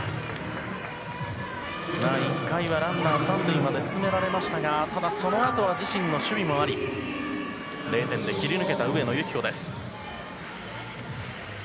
１回はランナーを３塁まで進められましたがそのあとは自身の守備もあり０点で切り抜けた上野由岐子。